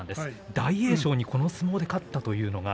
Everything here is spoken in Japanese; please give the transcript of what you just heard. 大栄翔にこの相撲で勝ったというのが。